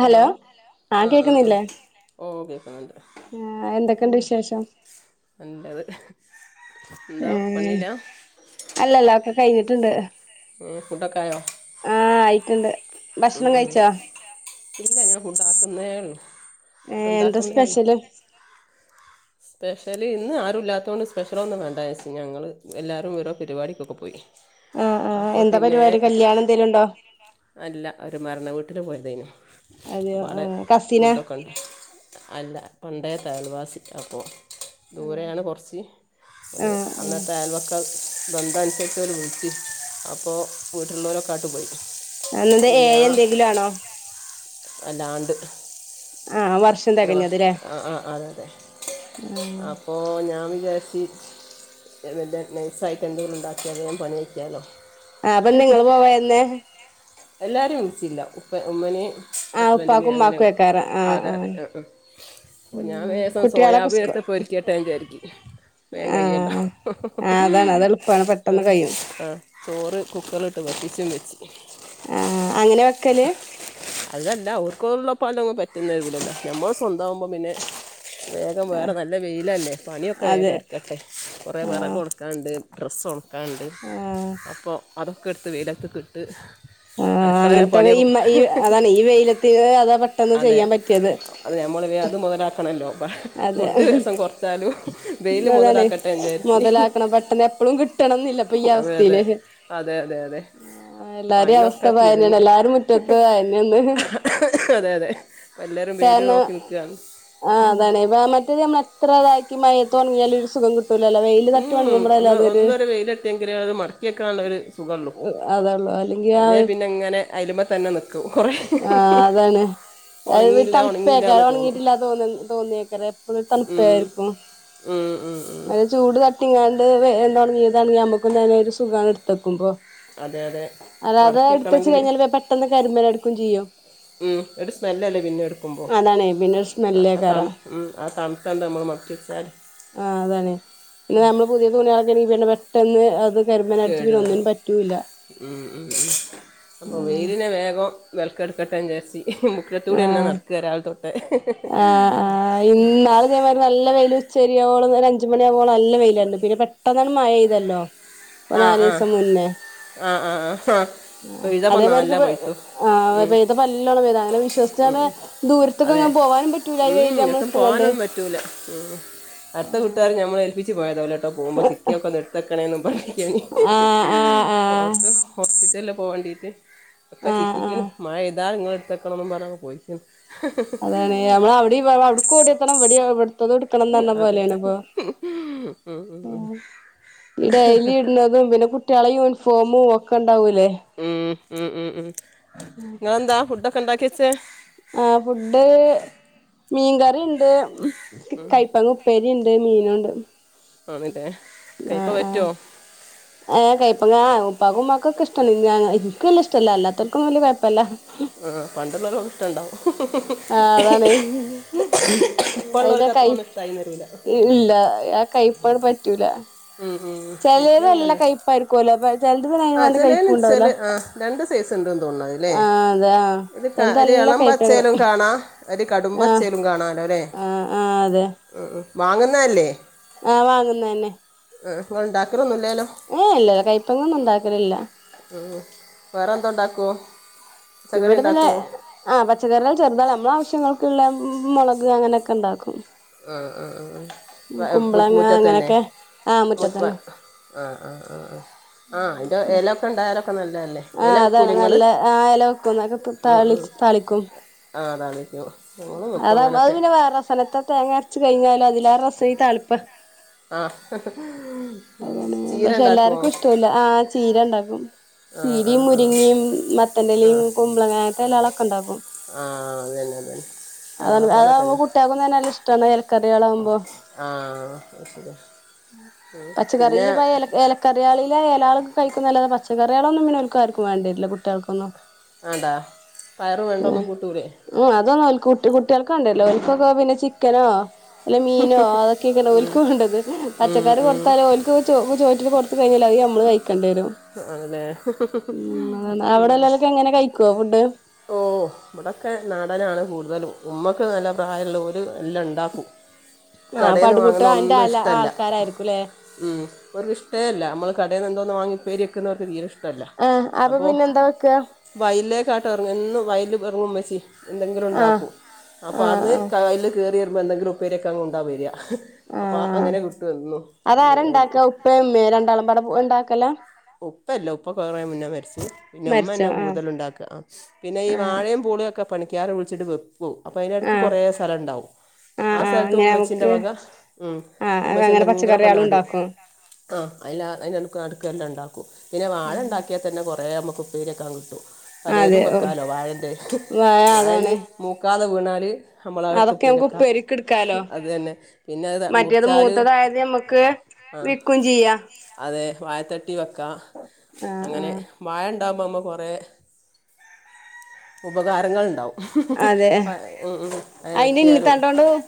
Hello ആഹ് ആഹ് ആഹ് ഉം കേക്കുന്നുണ്ട് ആഹ് എന്തൊക്കെണ്ട് വിശേഷം നല്ലത് എന്ത ഏഹ് പണിലാ അല്ലല്ല ഒക്കെ കഴിഞ്ഞിട്ടുണ്ട് ഉം ഫുഡൊക്കായോ ആഹ് ആയിറ്റ്ണ്ട് ഉം ഉം ഇല്ല ഞാൻ ഫുഡ് ആക്കുന്നേയുള്ളൂ ഏ ന്താ സ്പെഷ്യല് സ്പെഷ്യല് ഇന്ന് ആരുല്ലാത്തോണ്ട് സ്പെഷ്യൽ ഒന്നും വേണ്ടവെച്ച് ഞങ്ങൾ എല്ലാവരും ഓരോ പരിപാടിക്കൊക്കെ പോയി ആഹ് ആഹ് അപ്പോൾ എന്താ പിന്നെ പരിപാടി കല്യാണം എന്തേലും ണ്ടോ അല്ല ഒരു മരണ വീട്ടിൽ പോയതേനു അതെയോ അപ്പോൾ ആ അവിടെ കസിന [inaudible] അല്ല പണ്ടേത അയലവാസി അപ്പോ ദൂരെയാണ് കൊറച്ച് അത് ആഹ് ആഹ് അന്നത്തെ അയൽ വക്കം ബന്ധന്തനുസരിച്ചൊരു വീട്ടി അപ്പോ വീട്ടുള്ളോരൊക്കെ ആട്ട് പോയി ന്നത് പിന്നെ ഞാൻ ഏയേന്തെലും ആണോ അല്ലാണ്ട് ആഹ് വർഷ് ഒരുവർഷ് ആഹ് ആഹ് അതെന്നെ ആഹ് അപ്പൊ ഞാൻ വിചാരിച്ച് നൈസയിട്ട് എന്തെലും ണ്ടാക്കിയ വേം പണി കഴിക്കാലോ ആഹ് അപ്പൊന്തെ നിങ്ങള് പോവന്നെ എല്ലാരും വിളിച്ചില്ല ഉപ്പ ഉമ്മനേം ആഹ് ഹസ്ബൻഡിന് ഉപ്പാക്കും അങ്ങനെ ഉമ്മാക്കും ഏക്കാരം ആഹ് അതെ ആഹ് അതെ ഞാൻ ഉം വേഗം കുട്ടികളൊക്കെ സോയാബീൻ സ്കൂ എടുത്ത് പൊരക്കട്ടെ വിചാരിക്ക് വേം കയല്ലോ [inaudible] ആഹ് ആഹ് അതാണ് അത് എളുപ്പാണ് പെട്ടെന്ന് ആഹ് കഴിയും ഹഹഹ് ചോറ് കുക്കറിലിട്ട് കുക്കറിലിട്ട് വറ്റിച്ചു വെച്ച് ആഹ് അങ്ങനെ വെക്കല് അതല്ല അവർക്കുള്ളപ്പള് പറ്റുന്നലല്ലോ നമ്മൾ സ്വന്തംമാവുമ്പോ പിന്നെ വേഗം വേറെ നല്ല വെയിലല്ലേ പണിയൊക്കെ അതെ വേഗംടുക്കട്ടെ കുറേ ആഹ് വിറകൊണക്കാണ്ട് ഡ്രസ്സ് ഒണക്കാണ്ട് ആഹ് അപ്പോ അതൊക്കെ എടുത്ത് വെയിലത്ത്ക്ക്ട്ട് ണ്ട് [inaudible] ആഹ് അടുക്കളെലേ അങ്ങനത്തെക്കെ പണിയൊകേ ഈ ഈ അതാണ് ഈ വെയിലത്തി അതോ അതെ അത് നമ്മൾ വേം അത് മൊതലാക്കണല്ലോ അതെ വെയിൽ അതാണ് മുതലാക്കട്ടെ എന്ന് വിചാരിച്ച് മുതലാക്കണം പെട്ടെന്ന് എപ്പഴും കിട്ടൂ കിട്ടണം ന്നില്ലപ്പൊ ഈ അതെ അതെ അവസ്ഥയില് അതെ അതെ അതെ ആഹ് എല്ലാരേം ഫൈനൊക്കെ അവസ്ഥപ്പയെന്നെണ് തിരിഞ്ഞ് എല്ലാരും മുറ്റത്ത് അയ [inaudible] അതെ അതെ വ ല്ലരും വെയിൽ നോക്കി നിക്കുവാണ് [unintelligible] ത്തില് നമ്മൾ എത്ര താക്കി മയത്ത് ഒണങ്ങിയാലു ഒരു സുഖം കി ട്ടൂല്ലല്ലോ, വെയിൽ [unintelligible] ഒന്ന് ഒന്നോരു വെയിലട്ടിയെങ്കിലേ അത് മടക്കിയെക്കാനുള്ള ഒരു സുഖൊള്ളൂ [unintelligible] അതേ ഉള്ളു അല്ലെങ്കി ആ അയില്മ്മെ തന്നെ നി ക്കും. കോറേ ആഹ്, അതാണ് അൽവെര് ഉണങ്ങിയില്ല എന്ന് തണുപ്പയാക്കാരം തോന്നും ഒണങ്ങിട്ടില്ല തോന്നും തോന്നിയേക്കാരം എപ്പഴും ഒരു ഉം തണുപ്പായിരിക്കും ഉം ഉം ഒരു ചൂട് തട്ടിങ്ങാണ്ട് വ [unintelligible] ഒണങ്ങ്യേതാണെങ്കി നമ്മുക്കും തന്നെ ഒരു സുഖാണ് ഇടുത്തക്കുമ്പോ അതെ അതെ അല്ലാതെ മടക്കി ഇടുത്തച്ച് വെക്കണമെങ്കിൽ കഴിഞ്ഞാല് ബേം പെട്ടെന്ന് കരിമ്പന എടുക്കും ചെയ്യും. ഉം, ഒരു സ്മെല്ലല്ലേ പിന്നെ എടുക്കുമ്പോ, അതാണേ പിന്നെ ഒരു [unintelligible] ത സ്മെല്ലേക്കാരം ഉം, ആ തണുപ്പ് [unintelligible] നമ്മള് മറിച്ചിട്ടാല് ആഹ് അതാണ്. പിന്നെ നമ്മള് പുതിയ തുണിയളൊക്കെ [unintelligible] പെട്ടെന്ന് അത് കരുമന അട്ച്ചും പിന്നെ ഒന്നിനും പറ്റൂല്ല. ഉം ഉം ഉം, അപ്പോൾ വെയിലിനെ വേഗം വെലക്കെടുക്കട്ടെചാര്ച്ച് മുക്കത്തൂടി അന്നെ ആഹ് നടക്കാ രാവിലെ തൊട്ടേ ആഹ് ആഹ് ഇന്നാള് ഇതേമാതിരി നല്ല വെയില് ഉച്ചരിയോളം ഒരു അഞ്ചുമണിയാവോളം അല്ല വെയിലാര്ന്നു പിന്നെ പെട്ടന്നാണ് മഴ എയ്തല്ലോ ആഹ് ആഹ് ആഹ് ആഹ് അ ആഹ് അതേമാര്ക്ക് ഇപ്പ ആ ഉം, പെയ്തപ്പൊ നല്ലോണം പെയ്ത് അങ്ങനെ വിശ്വസിച്ചാണ്ടെ അതെ ദൂരത്ത്ക്കൊന്നും പോവാനും പറ്റൂല ഈ വെയില് അമ്മള് ഒട്ടും ഇട്ട് കാണ്ട് പോകാനൊന്നും പറ്റൂല ഉം. അടുത്ത വിട്ടുകാര് നമ്മളെ ഏൽപ്പിച്ച് പോയതോല്ലോട്ടോ പോകുമ്പോ ചിക്കിയൊക്കൊന്ന് എടുത്തക്കണേന്നും പറഞ്ഞ് ആഹ് ആഹ് ആഹ് ഓർക്ക് ഹോസ്പിറ്റലില് പോകണ്ടിട്ട് ഒക്കെ ആഹ് ചിക്കിക്ക്ണ് ആഹ് മഴ താ ഇങ്ങള് ഇട്ത്തക്കണംന്നും പറഞങ്ങ് പോയി. അതാണ് നമ്മള് അവടിം അവ്ട്ക്കും ഓടിയെത്തണം ഇവടിം ഇവട്ത്തതും ഇട്ക്കണംന്ന് പറഞ്ഞ [inaudible] അതെ പോലെയാണ് ഇപ്പൊ [unintelligible] ന്നതും പിന്നെ കുട്ടിയളെ യൂനിഫോമും ഒക്കെ ഉണ്ടാവൂല്ലേ. ഉം ഉം ഉം ഉം, ഇങ്ങളെന്താ ഫുഡൊക്കെ ഉണ്ടാക്കിയെച്ചത്? ആഹ്, ഫുഡ് മീൻകറിണ്ട്. കയ്പ്പങ്ങ ഉപ്പേരിണ്ട് മീനുണ്ട്. ആണല്ലെ കയ്പ്പ ആഹ് പറ്റോ? ആഹ് ഏഹ് കയ്പ്പങ്ങ ഉപ്പാക്കും ഉമ്മാക്കൊക്കെ ഇഷ്ടണ്ട്. ഞാ ഇൻക്ക് വല്ല ഇഷ്ടല്ല അല്ലാ തോൽകൊക്കെ വല്ല്യ കൊഴപ്പല്ല. ഉം, പണ്ടുള്ളൽകൊക്കെ ഇഷ്ടണ്ടാവും. ആഹ് അതാണ് ഇപ്പ അയിന്റെ ഉള്ളോൽക്ക് കൈ അത്രൊന്നും ഇഷ്ടായിന്ന് വരൂല. ഇപ്പന് പറ്റൂല. ഉം. ഉം. ഇൻക്കും അങ്ങൻന്നെ. പ [unintelligible] ആഹ് ചെലേല് [unintelligible] ആ രണ്ട് സൈസ് ഉണ്ട്ന്ന് തോന്ന്ണ് അത്‌ ല്ലേ. ആഹ് അതെ ആഹ് ഇത് ക ചെലത് ഒരു നല്ല എളം കൈപ്പേക്കാരം പച്ചയിലും കാണാ ഒരു കടും ആഹ് പച്ചെലും കാണാലോലെ. ആഹ് ആഹ് അതെ ഉം ഉം വാങ്ങുന്നല്ലേ. ആഹ് വാങ്ങുന്ന തന്നെ. ആഹ് ഇങ്ങള്ണ്ടാക്ക്ണോന്നും ഇല്ലേല്ലോ? ഏഹ് ഇല്ല ല്ല കയ്പ്പങ്ങൊന്നും ഉണ്ടാക്കലില്ല. ഉം, വേറെ എന്തോണ്ടാക്കൂ? ഇവിടെന്നിന്നെ ആഹ് പച്ചക്കറികൾ ചെറുതാണ് അമ്മളെ ആവശ്യങ്ങൾക്ക്ള്ള മൊളക് അങ്ങനൊക്കെ ണ്ടാക്കും. ആഹ് ആഹ്‌ ആഹ് അ വ എ മു മുറ്റത്തന്നെ, അങ്ങനെയൊക്കെ ആഹ് മു വ മുറ്റത്തന്നെ ആഹ് ആഹ് ആഹ് ആഹ് ആ അയിന്റെ എലൊക്കെ ണ്ടായാലൊക്കെ നല്ല അല്ലേ. ആഹ്. അതാണ് നല്ല ആ എല വെക്കും [unintelligible] താളി താളിക്കും. ആഹ്, താളിക്കും അത അത് പിന്നെ വേറെ രസത്തെ തേങ്ങ അരച്ച് കഴിഞ്ഞാലും അതില ആ രസ ഈ താളിപ്പ. ആഹ്. പക്ഷെ എല്ലാർക്കും ഇഷ്ട്ടാവുല്ല ആഹ് ചീര ഉണ്ടാക്കും. ആ ആ ചീരയും ആ മുരിങ്ങിയും മത്തന്റലിയും കുമ്പളങ്ങ അങ്ങനത്തെ എല്ലാളൊക്കെ ഉണ്ടാാക്കും ആഹ് അതന്നെ അതന്നെ ഞങ്ങളെ പോലെ തന്നെ ഉട്ടാകുന്നെ നല്ല ഇഷ്ട ഇലക്കറികളാമ്പോ ആഹ് പച്ചക്കറിയിൽല കറയാളെൾ കഴിക്കുന്ന അല്ലാെ പച്ചക്കറികളൊന്നുംന്നെ ഒരുക്കർക്കും വേണ്ടിട്ടയാര്ല്ല കുട്ടിയൾക്കൊന്നും ആണ്ടാ പയറ് വേണ്ടൊന്നും കൂട്ടൂലേ ഉം അതൊന്നോൽക്ക് കുട്ടികൾക്ക ഉണ്ടല്ലോ ഓൾക്കൊക്കെ പിന്നെ ചിക്കനോ അല്ല മീനോ അതൊക്കെയ ഇക്കന ഓല്ക്ക് വേണ്ടത് ഉം, പച്ചക്കാർ കൊറ ഉം. ക്ക് കൊടുത്ത് കഴിഞ്ഞാ അല്ലെ ഉം കോവിഡ് ഓഹ് ഇവിടൊക്കെ നടനാണ് കൂടുതലും ഉമ്മക്ക് നല്ല പ്രായമുള്ള ഓല് എല്ലാം ഉണ്ടാക്കും ആഹ് കടെന്ന് പടുകൂട്ട് വാങ്ങുന്ന അയിന്റെ ഒന്നും അല ഇഷ്ടല്ല ആൾക്കാരായിരിക്കുംല്ലേ ഉം അവർ ഇഷ്ട്ടെല്ല നമ്മള് കടേന്ന് എന്തോന്ന് വാങ്ങി പേരിയക്കുന്നവർക്ക് ഇഷ്ടം ഇല്ല ആഹ് അപ്പൊ അപ്പോൾ പിന്നെ എന്താ വെക്കുക വയലേക്കാട്ട് ഇറങ്ങ എന്ന് വയൽ ഇറങ്ങുമ്മൾച്ചി എന്തെങ്കിലും ആഹ് ഉണ്ടാക്കൂ അപ്പോം ആഹ് അവിന്ന് ആഹ് കയ്ൽ കയറി വരുമ്പോൾ എന്തെങ്കിലും ഉപ്പേരൊക്കെ അങ്ങ് കൊണ്ട വര അപ്പൊ ആഹ് അങ്ങനെ വിട്ടു വന്നു എ പ്പേ മ്മേ രണ്ടാളും പട ഉണ്ടാക്കല ഉപ്പല്ല ഉപ്പ കുറെ മുന്നേ മരച്ചു പിന്നെ മരിച്ചോ ഉമ്മന്നെ ആഹ് കൂടുതല ഉണ്ടാക്ക പിന്നെ ഈ ആഹ് വാഴേ പൂളും ഒക്കെ പണിക്കാറ് ഒഴിച്ചിട്ട് വെപ്പു അപ്പൊ അതിടുക്ക് ആഹ് കുറെേ സ്ഥലംണ്ടാവും ആഹ് സ്ഥലത്ത് അങ്ങനെ ഉമ്മച്ചിന്റെ നമുക്ക് വക ഉം ആഹ് ഉമ്മച്ചി അങ്ങനെ എന്തെങ്കിലൊക്കെ പച്ചക്കറിയാളും നടും ഉണ്ടാക്കും ആഹ് അയ്ൽ അതിനടു നടുക്കല്ലണ്ടോ പിന്നെ വാഴ ഉണ്ടാക്കിയാൽ തന്നെ കൊറേ നമുക്ക് ഉപ്പേരിയക്കാൻ കിട്ടും പലേതും അതെ ഓ വെക്കാലോ വാഴന്റെ വാഴ വാഴന്ഞ് അതാണ് മൂക്കാതെ വീണാല് നമ്മളവിടുത്ത് അതൊക്കെ നമുക്ക് ഉപ്പേരക്ക ഉപ്പേരിക്ക് എടുക്കാലോ അതു തന്നെ പിന്നെത് മറ്റേത് മുറിച്ചാൽ മൂത്തതായത് നമ്മക്ക് വിക്കും ചെയ്യാ അതെ വാഴത്തട്ടി വെക്കാം ആഹ് അങ്ങനെ ആഹ് വാഴ ഉണ്ടാകുമ്പൾ കുറേ ഉപകാരങ്ങൾ ഉണ്ടാവും അതെ ഉം അ പറ്റിയാലും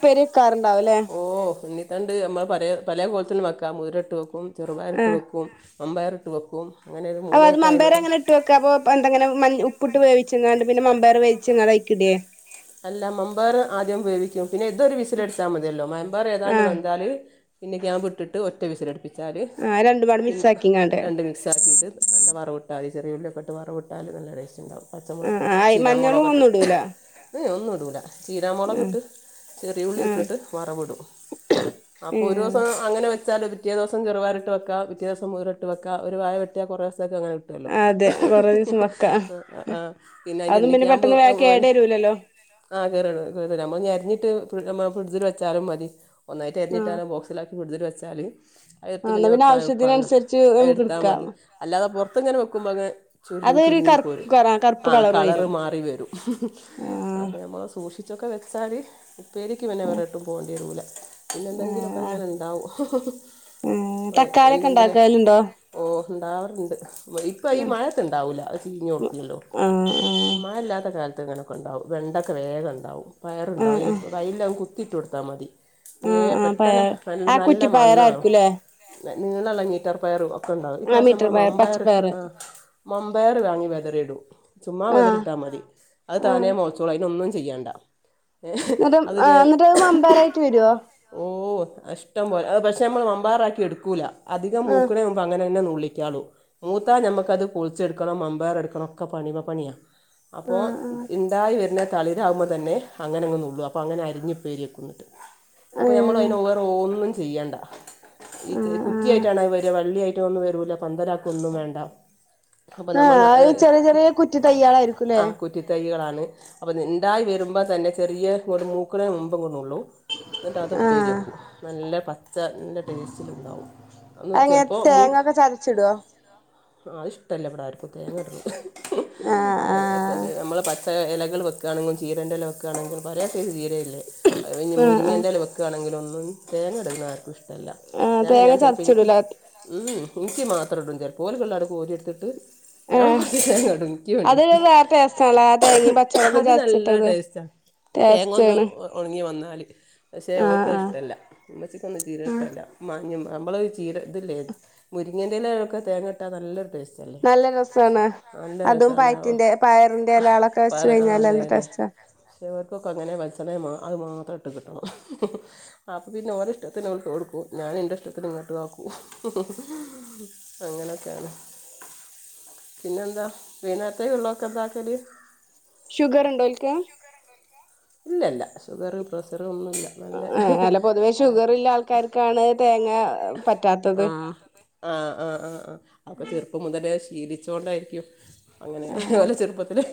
ഉപെരിക്കാർ ഉണ്ടാവല്ലേ ഓഹ് ഉണ്ത്താണ്ട് നമ്മൾ പ പല കോലത്തിലും വെക്കാം മുതിര ഇട്ട് വെക്കും ചെറുപയ്രി ഇട്ട് ആഹ് വെക്കും മമ്പയർ ഇട്ട് വെക്കും അങ്ങനെ ഒരു മൂന്ന് അപ്പ ഐറ്റം മമ്പയർ ആയി അങ്ങനെ ട്ടൊക്ക അപ്പൊ എന്തങ്ങനെ മ ഉപ്പിട്ട് വേവിച്ചെങ്ങാണ്ട് പിന്നെമ്പാർ വേവിച്ചെങ്ങാ അയിക്കിടിയേ അല്ല മമ്പയർ ആദ്യം വേവിക്കും പിന്നെ ഇതൊരു വിസൽ അടിച്ച മതിയല്ലോ മെമ്പയർ ഏതാണ്ട് ആഹ് വന്താലെ ഇണ്ണിക്യാമ്പ് ഇട്ടിട്ട് ഒറ്റ വിസിലടുപ്പിച്ചാൽ ആഹ് രണ്ടുംപാടെ പിന്നെ മിക്സ് ആക്കിങ്ങാണ്ട് രണ്ട് മിക്സ് ആക്കിയിട്ട് നല്ല വറവിട്ടൽതി ചെറിയള്ളി വറവിട്ടാലും നല്ല ടസ്റ്റ് ഉണ്ടാവും പച്ചമുളക് ആഹ് മഞ്ഞളും ഒന്നും ഇടൂല ഏഹ് ഒന്നും ഇടൂല ചീരാമുളക ആഹ് ഇട്ട് ചെറിയ ഉള്ളി ആഹ് ഇട്ടിട്ട് മറം വിടും അപ്പോൾ ഒരു ഏഹ് ദിവസം അങ്ങനെച്ചാൽ പിറ്റേ ദിവസം ചെറുായിട്ട വെക്ക പിറ്റേ ദിവസം മുതിരട്ട് വെക്ക ഒരു വായ വെട്ടിയ ദിവസക്കെ അനെക്ക തൊലൊ അതെ കൊറേ ദിവസം വെക്കാ അ അആ പിന്നെ അയിന്റെ അതൊന്നും എണ്ണക്കാമ്പോ പെട്ടെന്ന് വേ [unintelligible] കേടരൂലല്ലോ ആഹ് കേറ കേറ നമ്മരിഞ്ഞിട്ട് ഫ്രിഡ്ജിൽ വെച്ചാലും മതി ഒന്നായിട്ട് ആഹ് എരിഞ്ഞിട്ടാണ് ബോ ക്കി കടുതൽ വെച്ചാല് അത്ട്ത് ആഹ് പിന്നെ എന്നാ വെക്കാൻ എൾപ്പാണ് ആവശ്യത്തിനനുസരിച്ച് അത് നമുക്ക് എടുത്താൽ എടുക്കാം മതി അല്ലാതെ പുറത്ത്ങ്ങനെ വെക്കുമ്പോങേ ചൊരിങ്ങ അതൊരു കുരുങ്ങി കർ പോരും കറുപ്പ് ആഹ് കളർ കളറ് വരും മാറി വരും ആഹ് നമ്മളൾ സൂക്ഷിച്ചൊക്കെ വെച്ചാല് ഉപ്പേരിക്ക്പിന്നെ വേറെട്ടും പോകേണ്ടിരുല പിന്നെന്തെങ്കിലുക്കെ ആഹ് ആഹ് ഇങ്ങനെ ഉണ്ടാവു തക്കാളിയൊക്കെ എന്തെങ്കിലും ഉണ്ടാക്കലുണ്ടോ ഓഹ് ഉണ്ടാവാറുണ്ട് വെയ്യ് കൊയ്യ് ആഹ് മഴത്ത് ഇണ്ടാവുല്ല അത് ചീഞ്ഞു ഒടുത്തിയല്ലോ ആഹ് മഴ ഇല്ലാത്ത കാലത്ത് ഇങ്ങനെ ഒക്കെ ണ്ടാവു വെണ്ടക്കെ വേഗണ്ടാവും ആഹ് പയറുണ്ടാാവു ഈ ആഹ് വയലില് അത്കുത്തിട്ട് കൊടുത്താ മതി തേ ആഹ് ആഹ് പെട്ടെന്ന് പയർ ന ആ നല്ല മണ്ണാണോ കുറ്റിപ്പയറായിരിക്കുംല്ലേ നീള ള്ള മീറ്റർ പയറ ഒണ്ടാവു ഈ ആ പ്രാവശ്യം മീറ്റർ പയർ മമ്പയർ പച്ചപ്പയർ ആ മമ്പയർ വാങ്ങി വെതറിടും ചുമ്മാ ആഹ് വെതറിട്ടാമതി അത് ആഹ് താനെ മോ തുള അയിന് ഒന്നും ചെയ്യണ്ട അത് വേ ഇന്നട്ട് അത് മമ്പയർ ആയിട്ട് വരോ ഓ ഇഷ്ടം പോലെ പക്ഷെ നമ്മൾ മമ്പാറാക്കി എടുക്കൂല അധികം ആഹ് മൂക്ക്ണേ മുമ്പ് പങ്ങനന്നെ നുള്ളികാളു മൂത്താൽ നമുക്കത് പൊളിച്ച് എടുക്കണം മമ്പയർ എടുക്കണം ഒക്കെ പണി മേ പണിയാ അപ്പോ ആഹ് ആഹ് ഇണ്ടായി വരുന്നത് തളിരാകുമ്പോ തന്നെ അങ്ങനെ അങ്ങ് നുള്ളും അപ്പൊ അങ്ങനെ അരിഞ്ഞു ഇപേരി വെക്കും അപ്പൊ ഞമ്മള്‌ ഏഹ് അയിന് വേറെ ഒന്നും ചെയ്യണ്ട ഈ ആഹ് ആഹ് കുറ്റിയായിട്ടാണ് വെര വള്ളിയായിട്ട് ഒന്നും വരൂല പന്തലാക്കൊന്നു വേണ്ട അപ്പോൾ ആഹ് നമ്മൾ അത് ചെറിയ ചെറിയ കുറ്റി തൈകളയിരിക്കുല്ലേ കുറ്റി തൈകളാണ് അപ ഇണ്ടായി വെരുമ്പോ തന്നെ ചെറിയ ഒരു മൂക്ക്ണേമുമ്പ് ങ്ങ് നുള്ളും ഇന്നട്ട് അത് ഉപ്പേരി ആഹ് വെക്കും നല്ല പ ച്ച നല്ല ടേസ്റ്റിലുണ്ടാവും അന്ന് അതെങ്ങനെ ചെലപ്പോ മു അതിലേക്ക് തേങ്ങൊക്കെ തേങ്ങക്കെ ചതച്ചിടോ ആ അത് ഇഷ്ടല്ല്യ ഇവിടെ ആർക്കും തേങ്ങ ഇടുന്നത് ആഹ് ആഹ് അത് നമ്മള് പച്ച ഇലകൾ വെക്കാണെങ്ങു ചീരന്റ ല വെക്കാണെങ്ങു പല സൈസ് ചീരയി അത് ആഹ് ആഹ് പിന്നെമുരിങ്ങേന്റെ ഇല വെക്കാണെങ്കിൽ ഒന്നും തേങ്ങ ഇടുന്ന ആർക്കു ഇഷ് ല്ല ആഹ് ഞാന് ഞാൻ തേങ്ങ ചെലപ്പോൾ ഇനിക്ക് ചതച്ചിടൂലേ ഉം നിക്ക് മാത്രം ഇടൂ ചെലപ്പോ ഓല്ക്ക് ള്ളത് കോരി എടുത്തിട്ട് ഞാൻ ആഹ് മാത്ര തേങ്ങടുംനിക്ക് അതൊരു വേണ്ടിട്ട് വേറെ ടേസ്റ്റാണല്ലേ ആ അത് നല്ല ടേസ്റ്റാ ടെസ്റ്റള് ഒണങ്ങി വന്നാല് പക്ഷേ ഓല്ക്ക് അത് ഇഷ്ടല്ല ഉമ്മച്ചിക്കൊന്നു ചീര ഇഷ്ട ആഹ് അല്ല മാഞ് നമ്മള്‌ ചീര ഇതില്ലേ മുരിങ്ങേന്റ്ല ഒക്കെ തേങ്ങട്ട ഇട്ടാ നല്ല ടേസ്റ്റാ നല്ല രസാണ് അതും രസമാണ് പയറ്റിന്റെ പയറിന്റെ എലാളൊക്കെ വെച്ച് കഴിഞ്ഞാൽ നല്ല ടേസ്റ്റാ ചെലോർക്ക് ഒക്കെ അങ്ങനെ വെളിച്ചെണ്ണേന് അതു മാത്രം ഇട്ട് കിട്ടണം അപ്പ പിന്നെ ഓലഇഷ്ടത്തിന് ഓല്ക്ക് കൊടുക്കും ഞാനന്റെ ഇഷ്ടത്തിന് ഇങ്ങോട്ട് ആക്കും ഉം ഉം ഉം അങ്ങനെക്കെയാണ് പിന്നെ എന്താ വൈനാരേത്തെക്കുള്ളോ ഒക്കെ എന്താക്കല് ഷുഗർണ്ടോ ഓല്ക്ക് ഇല്ലല്ല ഷുഗർ പ്രഷറ് ഒന്നും ഇല്ല ആ അല്ല പൊതുവേ ഷുഗറുള്ള ആൾക്കാർക്കാണ് തേങ്ങ പറ്റാത്തത് ആഹ് ആഹ് ആഹ് ആ ആ അപ്പൊ ചെറുപ്പം മുതലേ ശീലിച്ചോണ്ടയിരിക്കും അങ്ങനെ ആഹ് ഓല് ചെറുപ്പത്തിലേ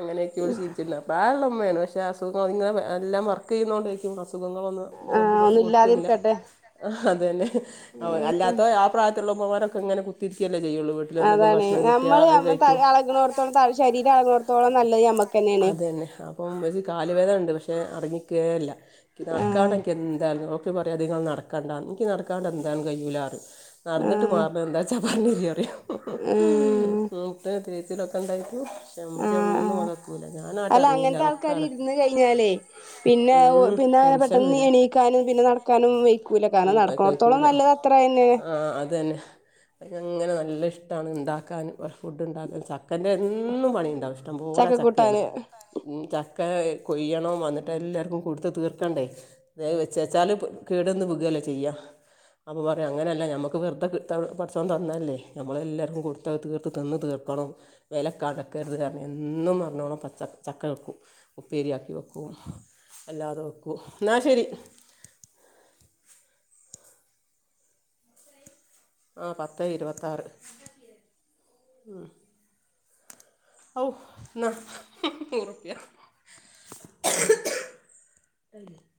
അങ്ങനെക്കെ ശീലിച്ചുല്ല പ്രായള്ളമ്മയാണ് പക്ഷെ സുഖങ്ങ അതിങ്ങനെ എല്ലാം വർക്ക് ചെയ്യുന്നോണ്ടേയിരിക്കും അസുഖങ്ങള് ഒന്ന് റബ്ബ് ആഹ് ഇതുവരെ ഒന്നും കൊടുത്തില്ല ഇല്ലാതിരിക്കട്ടെ അതന്നെ അല്ലാത്ത ആ പ്രായത്തുള്ള ഉമ്മമാര് ഒക്കെ ഇങ്ങനെ കുത്തിരിക്കയല്ലേ ചെയ്യുള്ളൂ വീട്ട അതാണേ ഞമ്മള് ഞമ്മട തടി അളകുന്നോടത്തോളം ത ശരീരം അളകുന്നോടത്തോളം നല്ലത് നമ്മക്കന്നെണ് അതന്നെ അപ്പം ഒരു കാല് വേദനണ്ട് പക്ഷേ അടങ്ങിരിക്കേ ഇല്ല നടക്കാൻ ആഹ് എനിക്ക് എന്തായിരുന്നു ക്കു പറയും അധികം നടക്കണ്ടാന്ന് നിക്ക് നടക്കാണ്ട് എന്താണ്ട് കഴിയുലാ നടന്നിട്ട് ആഹ് മാറ്ണ് എന്താ ച്ചാ വന്നില്ല [unintelligible] ഉം ആഹ് ഉം ഉം മൂത്ത ചേച്ചിടെ ഒപ്പം കഴിക്കൂ ച മിചമ് ആഹ് ഒന്നും ആഹ് നിക്കുല്ല ഞാനാട്ട് അറങ്ങിയില്ല അത് ഒക്കെ അട ഇന്ന് കഴിഞ്ഞാലേ പിന്നെ പിന്നെ ടെൻഷൻ പെട്ടെന്ന് വരും എണീക്കാനും പിന്നെ നടക്കാനും വൈക്കൂലാ കാരണം നടക്കു ണോട്ത്തോളം നല്ലതാ ആഹ് അതന്നെ അയിനങ്ങനെ നല്ല ഇഷ്ടാണ് ഇണ്ടാക്കാൻ പ ഫുഡ് ഇണ്ടാക്ക. ചക്കൻ്റെ എന്നും പണി എന്നുണ്ടാവ് ഇഷ്ടം പോലെ ചക്കേണ് ചക്കക്കൂട്ടാന് ഉം ചക്കേ കൊയ്യണോൻ വന്നിട്ട് എല്ലർക്കും കൊടുത്ത് തീർക്കണ്ടേ തേ വെച്ചച്ചാല് പു കേടന്ന് പുകല്ലേ ചെയ്യാ അപ്പോ പറയും അങ്ങനെ അല്ല നമ്മക്ക് വെറുതെ കിട്ടണ പടച്ചോൻ തന്നതല്ലേ നമ്മളെല്ലർക്കും കൊടു ത്ത് അത് തീർത്ത് തിന്ന് തീർക്കണം വെല കടക്കരുത് കാരണം എന്നും പറഞ്ഞോണം പച്ച ചക്ക വെക്കും ഉപ്പേരിയാക്കി വെക്കും അല്ലാതെ വെക്കും എന്നാ ശെരി ആഹ് പത്തേ ഇരുപത്താറ് ഉം ഹൗ ഇന്നാ നൂറ് റുപ്യ [unintelligible]